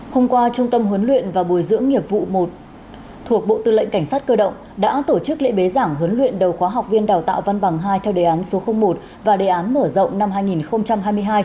hôm qua trung tâm huấn luyện và bồi dưỡng nghiệp vụ một thuộc bộ tư lệnh cảnh sát cơ động đã tổ chức lễ bế giảng huấn luyện đầu khóa học viên đào tạo văn bằng hai theo đề án số một và đề án mở rộng năm hai nghìn hai mươi hai